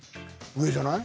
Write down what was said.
上じゃない？